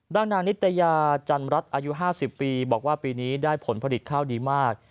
นางนิตยาจันรัฐอายุ๕๐ปีบอกว่าปีนี้ได้ผลผลิตข้าวดีมาก